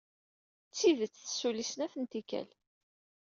D tidet tessulli snat n tikkal.